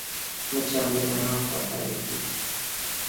مچان د رڼا خواته الوزي